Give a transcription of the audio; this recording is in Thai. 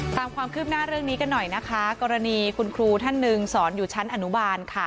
ความคืบหน้าเรื่องนี้กันหน่อยนะคะกรณีคุณครูท่านหนึ่งสอนอยู่ชั้นอนุบาลค่ะ